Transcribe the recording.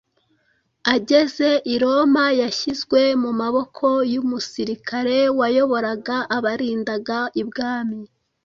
Ageze i Roma yashyizwe mu maboko y’umusirikare wayoboraga abarindaga ibwami.